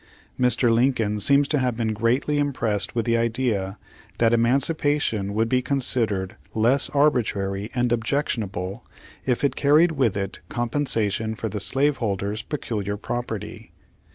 Mr. Lincoln seems to have been greatly im pressed with the idea that emancipation would be considered less arbitrary and objectionable if it carried with it compensation for the slaveholders' peculiar property.